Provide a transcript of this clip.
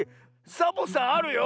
サボさんあるよ！